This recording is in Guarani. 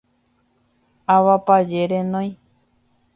Avapaje renói.